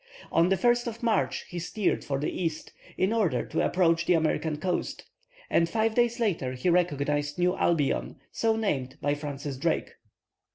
On the 1st of March he steered for the east, in order to approach the American coast, and five days later he recognized New Albion, so named by Francis Drake.